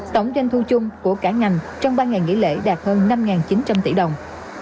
tổng doanh thu chung của cả ngành trong ba ngày nghỉ lễ đạt hơn năm chín trăm linh tỷ đồng